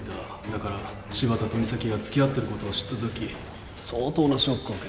だから柴田と三崎が付き合ってることを知ったとき相当なショックを受けた。